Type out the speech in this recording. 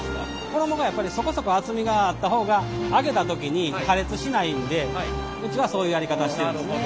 衣がやっぱりそこそこ厚みがあった方が揚げた時に破裂しないんでうちはそういうやり方してるんですね。